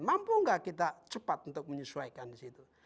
mampu gak kita cepat untuk menyesuaikan disitu